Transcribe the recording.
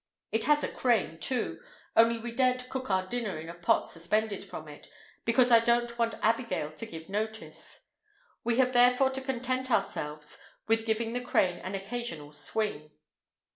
It has a crane, too—only we daren't cook our dinner in a pot suspended from it, because I don't want Abigail to give notice. We have therefore to content ourselves with giving the crane an occasional swing.